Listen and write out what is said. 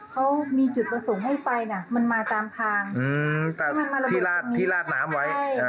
เขามีจุดประสงค์ให้ไปน่ะมันมาตามทางอืมแต่ที่ลาดที่ลาดน้ำไว้อ่า